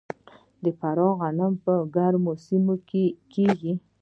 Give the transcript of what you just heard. د فراه غنم په ګرمو سیمو کې کیږي.